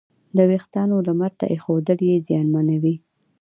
د وېښتیانو لمر ته ایښودل یې زیانمنوي.